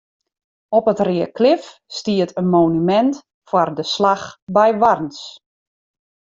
Op it Reaklif stiet in monumint foar de slach by Warns.